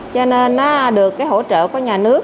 cho nên được hỗ trợ của nhà nước